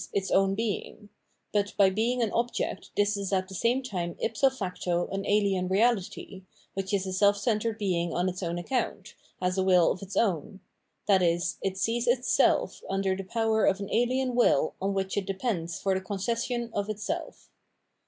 its own being : but by being an object this is at the same time ipso facto an ahen reahty, which is a self centred being on its own account, has a whl of its own ; i.e. it sees its self under the power of an ahen wiU on which it depends for the concession of its self.